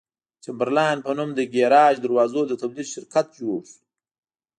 د چمبرلاین په نوم د ګراج دروازو د تولید شرکت جوړ شو.